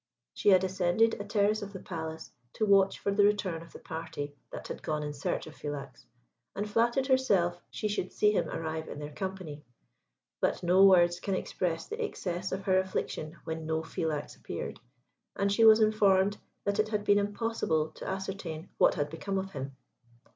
She had ascended a terrace of the Palace to watch for the return of the party that had gone in search of Philax, and flattered herself she should see him arrive in their company; but no words can express the excess of her affliction when no Philax appeared, and she was informed that it had been impossible to ascertain what had become of him.